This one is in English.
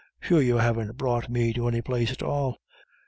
"Sure you haven't brought me to any place at all.